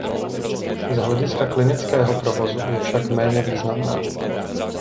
Z hlediska klinického provozu je však méně významná.